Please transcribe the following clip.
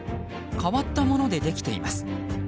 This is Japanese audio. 変わったものでできています。